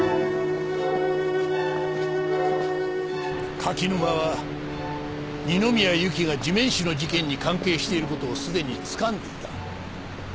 柿沼は二宮ゆきが地面師の事件に関係している事をすでにつかんでいた。